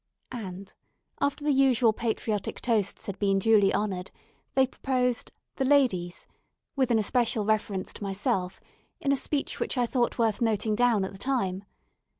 And, after the usual patriotic toasts had been duly honoured, they proposed "the ladies," with an especial reference to myself, in a speech which I thought worth noting down at the time.